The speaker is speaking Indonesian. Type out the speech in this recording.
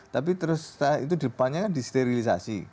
tapi terus itu depannya kan disterilisasi